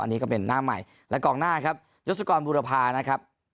อันนี้ก็เป็นหน้าใหม่และกองหน้าครับยศกรบุรพานะครับ